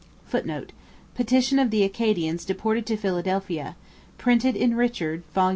[Footnote: Petition of the Acadians deported to Philadelphia. Printed in Richard, vol.